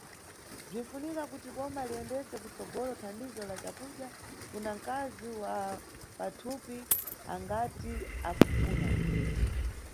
Bzinʼfunika kuti boma liyendese kutsogolo thandizo la cakudya kuna nkazi wa pathupi angati akufuna.